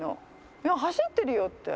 今、走ってるよって。